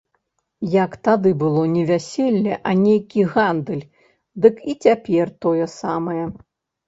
Як тады было не вяселле, а нейкі гандаль, дык і цяпер тое самае.